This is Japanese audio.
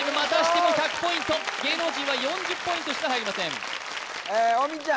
芸能人は４０ポイントしか入りません大道ちゃん